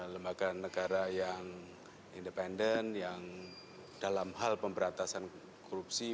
lembaga negara yang independen yang dalam hal pemberantasan korupsi